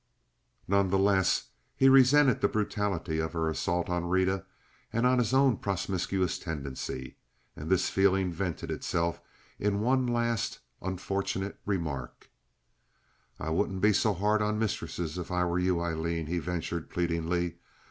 Nevertheless he resented the brutality of her assault on Rita and on his own promiscuous tendency, and this feeling vented itself in one last unfortunate remark. "I wouldn't be so hard on mistresses if I were you, Aileen," he ventured, pleadingly.